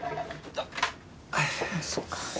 あっそっか。